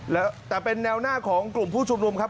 แล้วแต่เป็นแนวหน้าของกลุ่มผู้ชุมนุมครับ